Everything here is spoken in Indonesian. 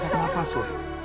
aku gak mau